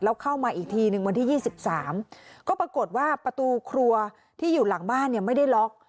แล้วเข้ามาอีกทีหนึ่งวันที่๒๓ก็ปรากฏว่าประตูครัวที่อยู่หลังบ้านเนี่ยไม่ได้ล็อก